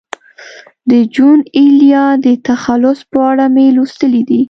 د جون ایلیا د تخلص په اړه مې لوستي دي.